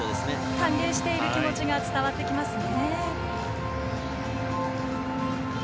歓迎している気持ちが伝わってきますね。